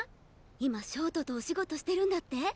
今焦凍とお仕事してるんだって？